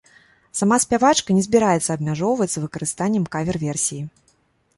Сама спявачка не збіраецца абмяжоўвацца выкананнем кавер-версіі.